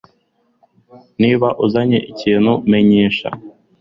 Niba uzanye ikintu, menyesha.